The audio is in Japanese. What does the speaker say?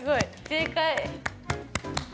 正解。